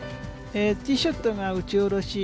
ティーショットが打ちおろし。